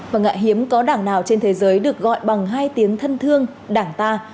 và ngại hiếm có đảng nào trên thế giới được gọi bằng hai tiếng thân thương đảng ta